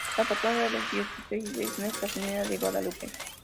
La patrona de la diócesis es Nuestra Señora de Guadalupe.